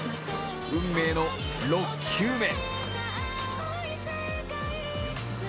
運命の６球目。